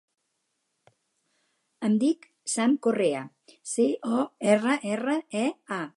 Em dic Sam Correa: ce, o, erra, erra, e, a.